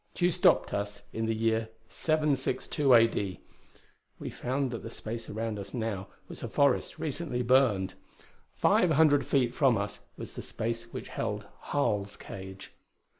Tugh stopped us in the year 762 A.D. We found that the space around us now was a forest recently burned. Five hundred feet from us was the space which held Harl's cage.